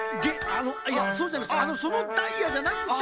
あのいやそうじゃなくていやそのダイヤじゃなくて。